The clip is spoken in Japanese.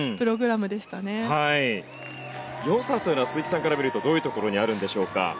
良さというのは鈴木さんから見るとどういうところにあるんでしょうか？